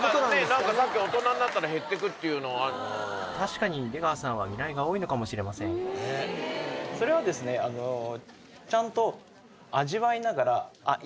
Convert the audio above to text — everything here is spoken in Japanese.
何かさっき大人になったら減ってくっていうのは確かに出川さんは味蕾が多いのかもしれませんそれはですねあのちゃんと味わいながらあっ